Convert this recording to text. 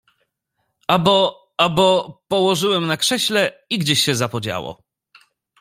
— A bo… a bo… położyłem na krześle i gdzieś się zapodziało.